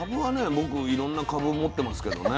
僕いろんな株持ってますけどね。